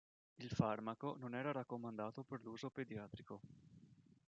Il farmaco non era raccomandato per l'uso pediatrico.